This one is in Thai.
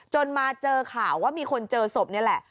มาเจอข่าวว่ามีคนเจอศพนี่แหละ